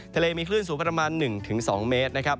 ทะเลมีคลื่นสูงประมาณ๑๒เมตรนะครับ